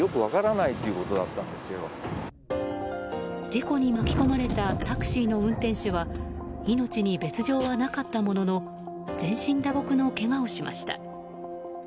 事故に巻き込まれたタクシーの運転手は命に別状はなかったものの全身打撲のけがをしました。